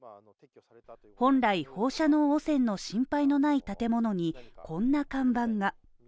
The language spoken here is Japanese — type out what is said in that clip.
本来、放射能汚染の心配のない建物にこんな看板が。